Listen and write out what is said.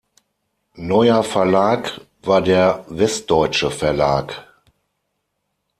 Neuer Verlag war der Westdeutsche Verlag.